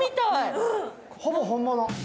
ほぼ本物。